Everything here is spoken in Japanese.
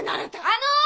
あの！